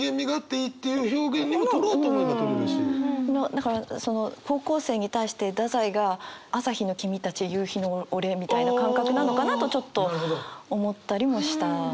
だからその高校生に対して太宰が「朝日の君たち夕日の俺」みたいな感覚なのかなとちょっと思ったりもしたところはある。